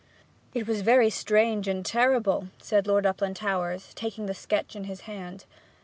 'It was very strange and terrible!' said Lord Uplandtowers, taking the sketch in his hand.